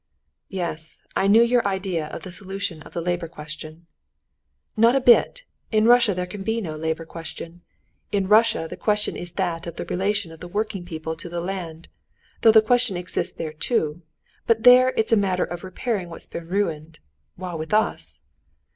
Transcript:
"Yes, I knew your idea of the solution of the labor question." "Not a bit: in Russia there can be no labor question. In Russia the question is that of the relation of the working people to the land; though the question exists there too—but there it's a matter of repairing what's been ruined, while with us...."